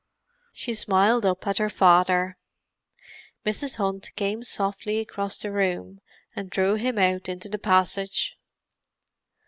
She smiled up at her father. Mrs. Hunt came softly across the room and drew him out into the passage.